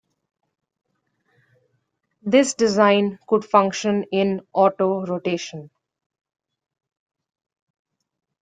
This design could function in autorotation.